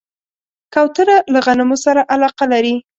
کوتره له غنمو سره علاقه لري.